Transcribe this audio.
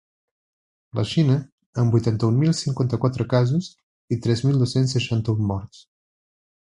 La Xina, amb vuitanta-un mil cinquanta-quatre casos i tres mil dos-cents seixanta-un morts.